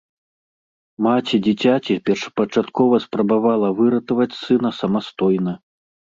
Маці дзіцяці першапачаткова спрабавала выратаваць сына самастойна.